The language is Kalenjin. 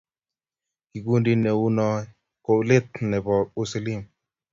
Kikundiit ne uu noe ko let ne bo uislimu.